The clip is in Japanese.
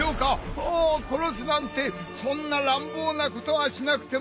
ああ殺すなんてそんならんぼうなことはしなくても。